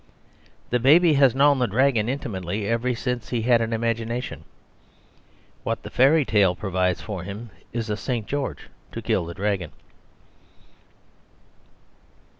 The baby has known the dragon intimately ever since he had an imagination. What the fairy tale provides for him is a St. George to kill the dragon.